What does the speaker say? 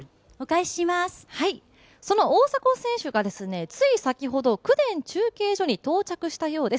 その大迫選手がつい先ほど、公田中継所に到着したようです。